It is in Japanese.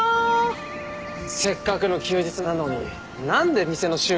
せっかくの休日なのに何で店の修理なんだよ。